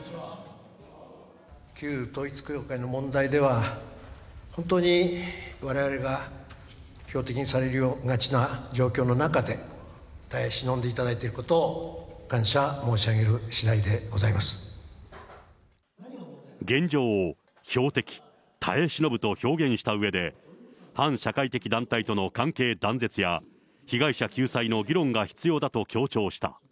旧統一教会の問題では、本当にわれわれが標的にされがちな状況の中で、耐え忍んでいただいていることを、感謝申し上げるしだいでございま現状を、標的、耐え忍ぶと表現したうえで、反社会的団体との関係断絶や、被害者救済の議論が必要だと強調した。